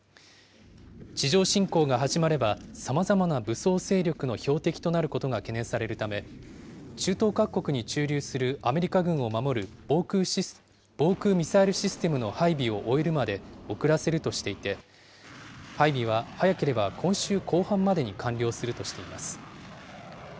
地上侵攻が始まれば、さまざまな武装勢力の標的となることが懸念されるため、中東各国に駐留するアメリカ軍を守る防空ミサイルシステムの配備を終えるまで遅らせるとしていて、配備は早ければ今週後半までに完了するとしています。